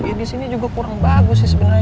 ya disini juga kurang bagus sih sebenernya